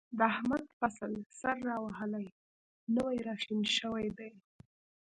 د احمد فصل سر را وهلی، نوی را شین شوی دی.